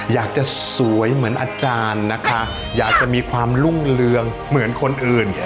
อยากจะสวยเหมือนอาจารย์นะคะอยากจะมีความรุ่งเรืองเหมือนคนอื่น